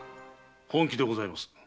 本気でございます。